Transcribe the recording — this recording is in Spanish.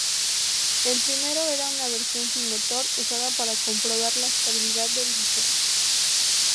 El primero era una versión sin motor, usada para comprobar la estabilidad del diseño.